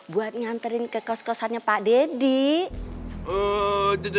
buat nganterin ke kos kosannya pak deddy